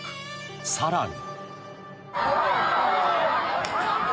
更に。